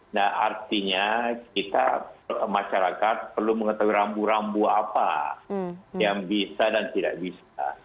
nah artinya kita masyarakat perlu mengetahui rambu rambu apa yang bisa dan tidak bisa